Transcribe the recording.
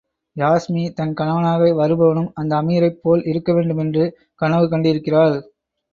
யாஸ்மி, தன் கணவனாக வருபவனும் அந்த அமீரைப் போல் இருக்கவேண்டுமென்று கனவு கண்டிருக்கிறாள்.